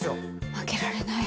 負けられない。